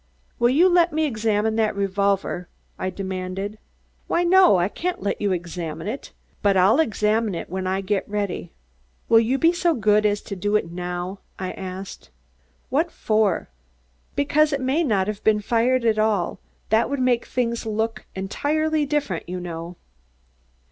"Will you let me examine that revolver?" I demanded. "Why, no. I can't let you examine it. But I'll examine it when I get ready." "Will you be so good as to do it now?" I asked. "What for?" "Because it may not have been fired at all. That would make things look entirely different, you know."